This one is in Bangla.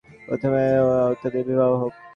প্রথমে উত্তররাঢ়ী ও দক্ষিণরাঢ়ীতে বিবাহ হোক।